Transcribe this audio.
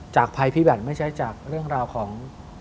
ภัยพิบัตรไม่ใช่จากเรื่องราวของ